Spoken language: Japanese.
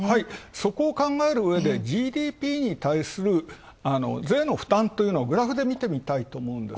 そこを考えるうえで、ＧＤＰに対する税の負担というのをグラフで見てみたいと思います。